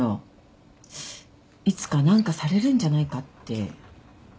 いつか何かされるんじゃないかって。